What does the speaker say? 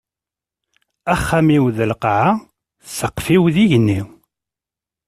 Axxam-iw d lqaɛa, sqef-iw d igenni.